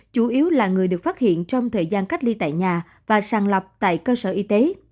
chủ yếu là người được phát hiện trong thời gian cách ly tại nhà và sàng lọc tại cơ sở y tế